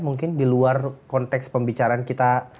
mungkin di luar konteks pembicaraan kita